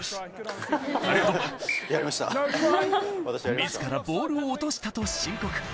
自らボールを落としたと申告。